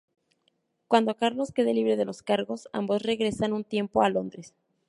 Cuando Carlos queda libre de los cargos, ambos regresan un tiempo a Londres.